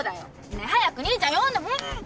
ねっ早く兄ちゃん呼んで。